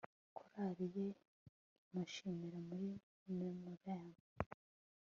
korali ye imushimira muri memoriam